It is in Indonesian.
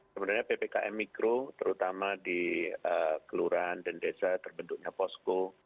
sebenarnya ppkm mikro terutama di kelurahan dan desa terbentuknya posko